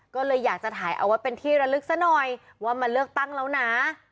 ก็เลยอยากจะถ่ายเอาไว้เป็นที่ระลึกซะหน่อยว่ามาเลือกตั้งแล้วนะ